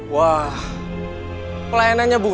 wah pelayanannya berubah